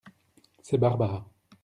C’est Barbara.